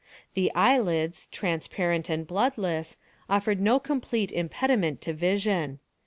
The eyelids, transparent and bloodless, offered no complete impediment to vision.